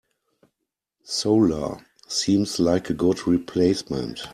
Solar seems like a good replacement.